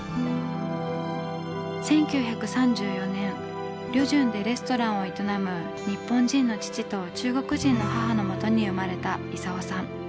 １９３４年旅順でレストランを営む日本人の父と中国人の母のもとに生まれた功さん。